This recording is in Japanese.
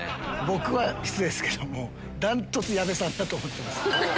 僕は失礼ですけども断トツ矢部さんだと思ってます。